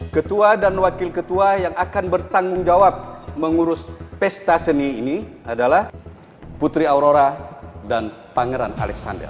ketua dan wakil ketua yang akan bertanggung jawab mengurus pesta seni ini adalah putri aurora dan pangeran alexander